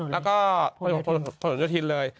แล้วก็ผลโยธินเลย